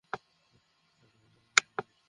নাটক বন্ধ কর।